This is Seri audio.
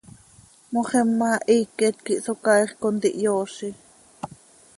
Moxima hiiquet quih Socaaix contihyoozi.